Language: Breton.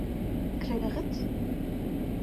Klevet a rit ?